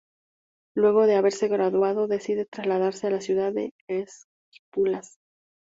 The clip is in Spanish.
Luego de haberse graduado decide trasladarse a la Ciudad de Esquipulas.